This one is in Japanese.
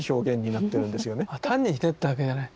単にひねったわけじゃない。